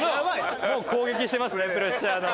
もう攻撃してますねプレッシャーの。